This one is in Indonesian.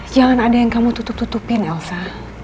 jangan ada yang kamu tutup tutupin elsa